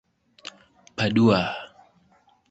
Padua.